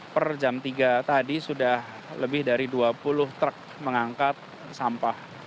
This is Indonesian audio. per jam tiga tadi sudah lebih dari dua puluh truk mengangkat sampah